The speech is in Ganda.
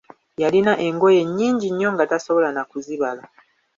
Yalina engoye nnyingi nnyo nga tosobola na kuzibala.